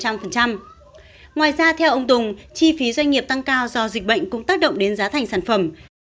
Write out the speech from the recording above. ngoài ra theo ông tùng chi phí doanh nghiệp tăng cao do dịch bệnh cũng tác động đến giá thành sản phẩm